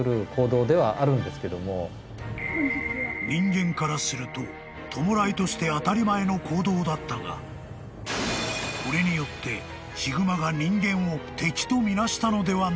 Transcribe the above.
［人間からすると弔いとして当たり前の行動だったがこれによってヒグマが人間を敵と見なしたのではないか？］